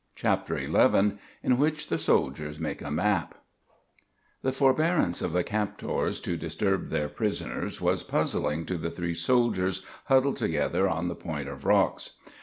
CHAPTER XI IN WHICH THE SOLDIERS MAKE A MAP The forbearance of the captors to disturb their prisoners was puzzling to the three soldiers huddled together on the point of rocks.